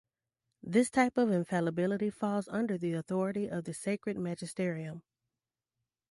This type of infallibility falls under the authority of the sacred magisterium.